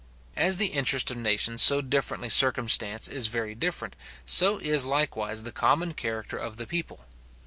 As the interest of nations so differently circumstanced is very different, so is likewise the common character of the people.